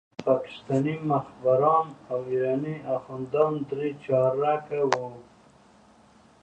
یا وطن یا کفن